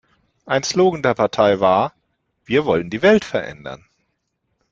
Ein Slogan der Partei war „Wir wollen die Welt verändern“.